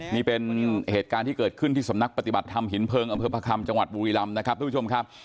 นี่เป็นเหตุการณ์ที่เกิดขึ้นที่สำนักปฏิบัติธรรมหินเพลิงอำเภอพระคำจังหวัดบุรีรำนะครับทุกผู้ชมครับ